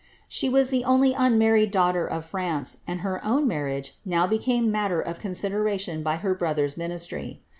She was the only unmarried daughter of France ; and her own marriage now became matter of con sideration by her brother's ministry.